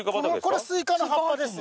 これスイカの葉っぱです。